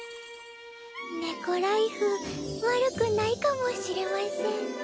猫ライフ悪くないかもしれません